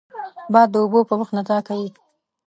باد د اوبو په مخ نڅا کوي